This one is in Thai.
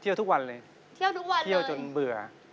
เที่ยวทุกวันเลยเที่ยวจนเบื่อ